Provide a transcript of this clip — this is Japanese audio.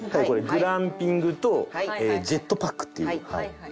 グランピングとジェットパックっていう。